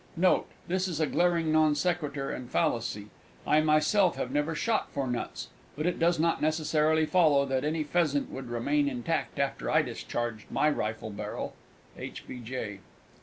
Note. This is a glaring non sequitur and fallacy. I myself have never shot for nuts but it does not necessarily follow that any pheasant would remain intact after I discharged my rifle barrel! H. B. J.